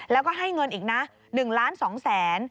แล้วก็ให้เงินอีกนะ๑ล้าน๒แสน